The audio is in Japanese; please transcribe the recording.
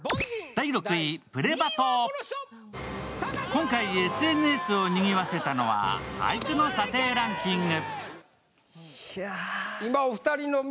今回、ＳＮＳをにぎわせたのは俳句の査定ランキング。